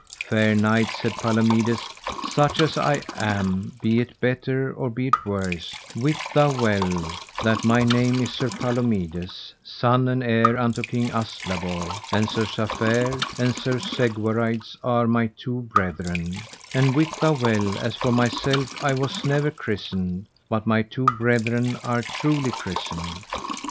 Fair knight, said Palomides, such as I am, be it better or be it worse, wit thou well that my name is Sir Palomides, son and heir unto King Astlabor, and Sir Safere and Sir Segwarides are my two brethren; and wit thou well as for myself I was never christened, but my two brethren are truly christened.